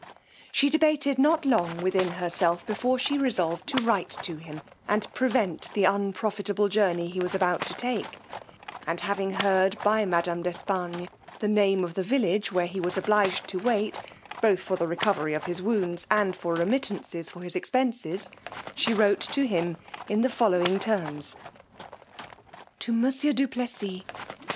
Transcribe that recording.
She debated not long within herself before she resolved to write to him, and prevent the unprofitable journey he was about to take; and having heard, by madam d' Espargnes, the name of the village where he was obliged to wait, both for the recovery of his wounds and for remittances for his expences, she wrote to him in the following terms: To monsieur DU PLESSIS.